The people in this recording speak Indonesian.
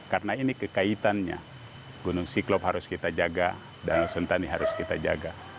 karena ini kekaitannya gunung siklop harus kita jaga danau sentani harus kita jaga